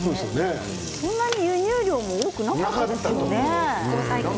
そんなに輸入量も多くなかったですよね。